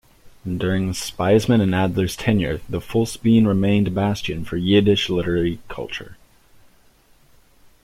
During Spaisman and Adler's tenure, the Folksbiene remained a bastion for Yiddish literary culture.